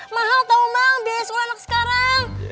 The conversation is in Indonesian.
mahal tau bang biaya sekolah anak sekarang